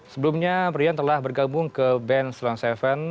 sebelumnya brian telah bergabung ke band ceylon tujuh